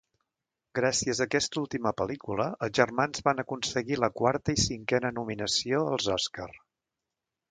Gràcies a aquesta última pel·lícula, els germans van aconseguir la quarta i cinquena nominació als Oscar.